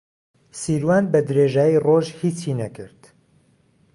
سیروان بەدرێژایی ڕۆژ هیچی نەکرد.